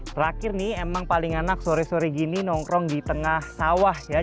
terakhir nih emang paling enak sore sore gini nongkrong di tengah sawah ya